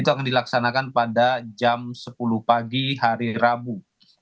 itu akan dilaksanakan pada jam sepuluh pagi hari rabu